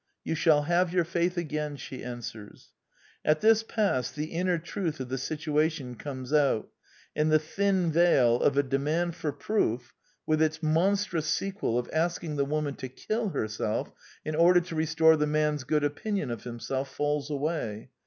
" You shall have your faith again," she answers. At this pass the inner truth of the situation comes out; and the thin veil of a demand for proof, I20 The Quintessence of Ibsenism with its monstrous sequel of asking th^ woman to kill herself in order to restore the man's good opinion of himself, falls away.